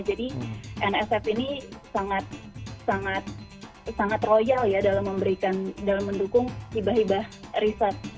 jadi nsf ini sangat royal ya dalam memberikan dalam mendukung hibah hibah riset